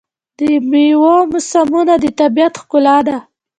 د میوو موسمونه د طبیعت ښکلا ده.